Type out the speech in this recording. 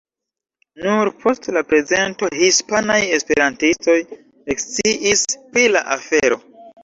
Nur post la prezento hispanaj esperantistoj eksciis pri la afero.